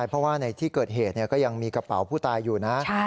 เพราะว่าในที่เกิดเหตุก็ยังมีกระเป๋าผู้ตายอยู่นะ